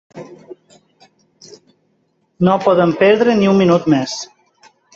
No podem perdre ni un minut més.